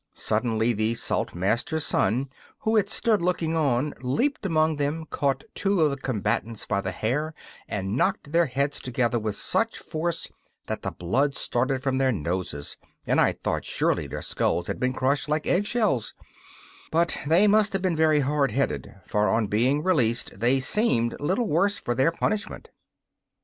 Suddenly the Saltmaster's son, who had stood looking on, leaped among them, caught two of the combatants by the hair and knocked their heads together with such force that the blood started from their noses, and I thought surely their skulls had been crushed like egg shells; but they must have been very hard headed, for on being released they seemed little the worse for their punishment.